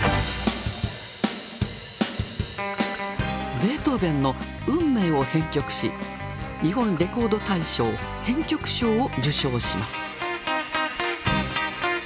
ベートーベンの「運命」を編曲し日本レコード大賞編曲賞を受賞します。